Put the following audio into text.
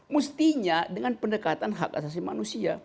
mestinya dengan pendekatan hak asasi manusia